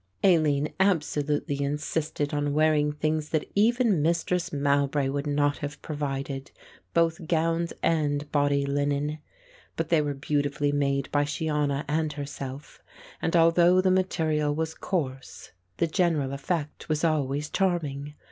Aline absolutely insisted on wearing things that even Mistress Mowbray would not have provided, both gowns and body linen. But they were beautifully made by Shiona and herself, and although the material was coarse, the general effect was always charming.